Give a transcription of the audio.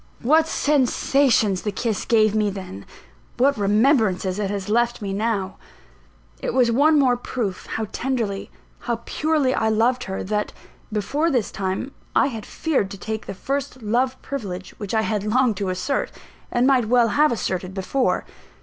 What sensations the kiss gave me then! what remembrances it has left me now! It was one more proof how tenderly, how purely I loved her, that, before this time, I had feared to take the first love privilege which I had longed to assert, and might well have asserted, before.